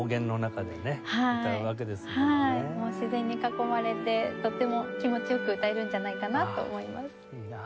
もう自然に囲まれてとっても気持ち良く歌えるんじゃないかなと思います。